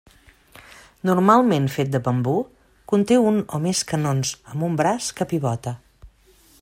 Normalment fet de bambú, conté un o més canons amb un braç que pivota.